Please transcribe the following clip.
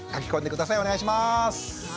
お願いします。